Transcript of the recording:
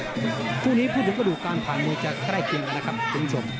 ช่วงนี้ผู้ถูกก็ดูการผ่านมือจะได้จริงนะครับคุณสม